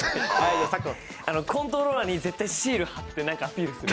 コントローラーに絶対シール貼ってアピールする。